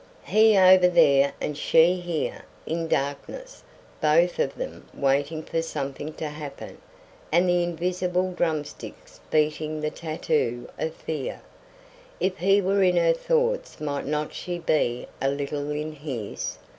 He over there and she here, in darkness; both of them waiting for something to happen; and the invisible drumsticks beating the tattoo of fear. If he were in her thoughts might not she be a little in his?